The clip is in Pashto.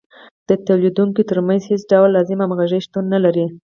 د تولیدونکو ترمنځ هېڅ ډول لازمه همغږي شتون نلري